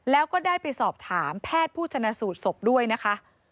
แล้วก็ได้ไปสอบถามแพทย์ผู้ชนะสูตรศพด้วยนะคะ